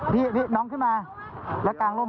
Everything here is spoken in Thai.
พี่น้องขึ้นมาแล้วกางร่ม